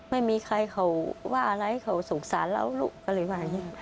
ไม่มีใครเขาว่าอะไรเขาสงสารเราลูกก็เลยว่าอย่างนี้